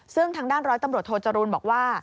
ซึ่งทางด้านร้อยตำรวจโทจรูลบอกว่า